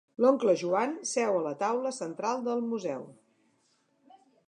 L'oncle Joan seu a la taula central del museu.